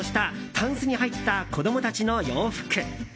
たんすに入った子供たちの洋服。